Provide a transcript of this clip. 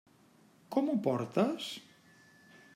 Com ho portes?